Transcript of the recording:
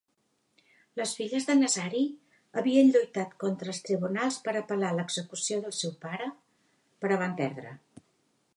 Les filles de Nazari havien lluitat contra els tribunals per apel·lar l'execució del seu pare, però van perdre.